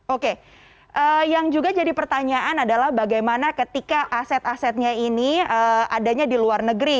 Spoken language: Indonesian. oke yang juga jadi pertanyaan adalah bagaimana ketika aset asetnya ini adanya di luar negeri